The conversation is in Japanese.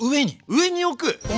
上に置く？